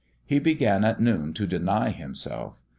He began at noon to deny himself.